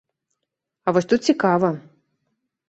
А вось тут цікава.